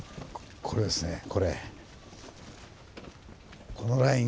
これですねこれ。